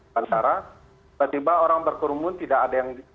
karena tiba tiba orang berkerumun tidak ada yang ditegur